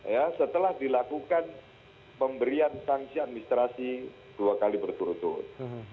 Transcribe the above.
ya setelah dilakukan pemberian sanksi administrasi dua kali berturut turut